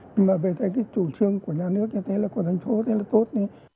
nhưng mà về cái chủ trương của nhà nước như thế là của thành phố thì là tốt